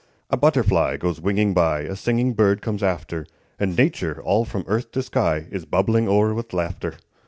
A butterfly goes winging by; A singing bird comes after; And Nature, all from earth to sky, Is bubbling o'er with laughter.